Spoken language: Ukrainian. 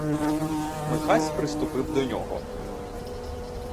Михась приступив де нього.